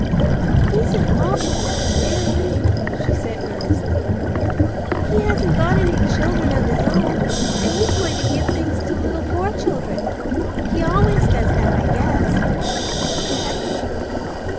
"He's an awful kind man," she said earnestly. "He hasn't got any little children of his own, and he's going to give things to little poor children. He always does that, I guess," she added.